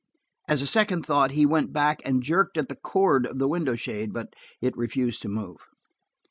As a second thought, he went back and jerked at the cord of the window shade, but it refused to move.